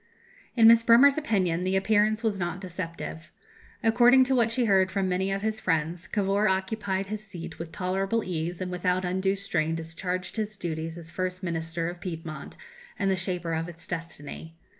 In Miss Bremer's opinion the appearance was not deceptive. According to what she heard from many of his friends, Cavour occupied his seat with tolerable ease, and without undue strain discharged his duties as First Minister of Piedmont, and the shaper of its destiny.